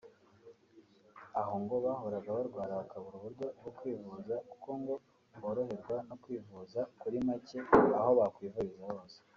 aho ngo bahoraga barwara bakabura uburyo bwo kwivuza kuko ngo boroherwa no kwivuza kuri make aho bakwivuriza hose